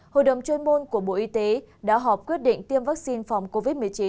hội đồng chuyên môn của bộ y tế đã họp quyết định tiêm vaccine phòng covid một mươi chín